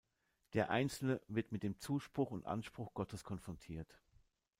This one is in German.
Der Einzelne wird mit dem Zuspruch und Anspruch Gottes konfrontiert.